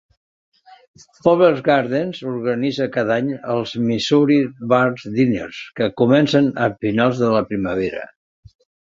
Powell Gardens organitza cada any els "Missouri Barn Dinners", que comencen a finals de la primavera.